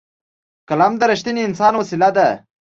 قلم د رښتیني انسان وسېله ده